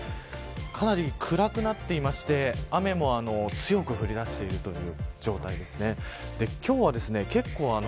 かなり暗くなっていて雨も強く降りだしている状態です。